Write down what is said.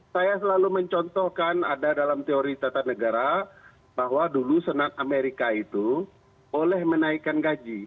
saya selalu mencontohkan ada dalam teori tata negara bahwa dulu senat amerika itu boleh menaikkan gaji